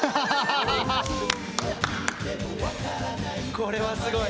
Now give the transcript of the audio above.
これはすごい。